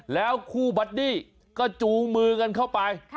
แล้วคู่บัดดี้ก็จูงมือกันเข้าไป